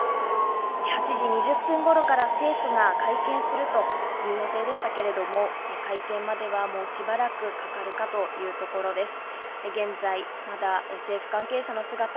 ８時２０分頃から政府が会見するという予定でしたけれども、会見までは、もうしばらくかかるかというところです。